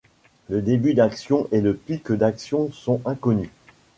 Le début d'action et le pic d'action sont inconnus.